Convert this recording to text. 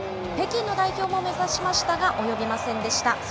北京の代表も目指しましたが及びませんでした。